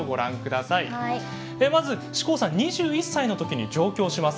ではまず志功さん２１歳の時に上京します。